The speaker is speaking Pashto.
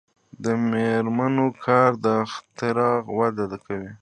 د میرمنو کار د اختراع وده کوي.